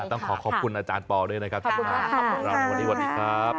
ต้องขอขอบคุณอาจารย์ปอล์ด้วยนะครับขอบคุณมากขอบคุณมาก